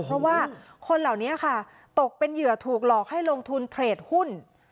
เพราะว่าคนเหล่านี้ค่ะตกเป็นเหยื่อถูกหลอกให้ลงทุนเทรดหุ้น